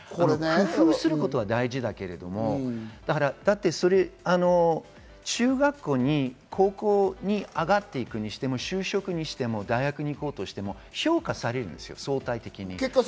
工夫することは大事だけれども、中学校、高校に上がっていくにしても就職にしても、大学に行こうとしても評価されるんです、相対的に。